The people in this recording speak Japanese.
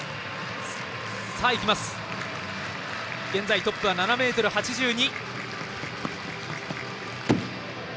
現在トップは７ｍ８２です。